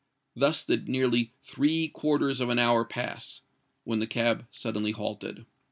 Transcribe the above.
Thus did nearly three quarters of an hour pass, when the cab suddenly halted.